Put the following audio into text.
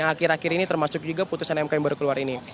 yang akhir akhir ini termasuk juga putusan mk yang baru keluar ini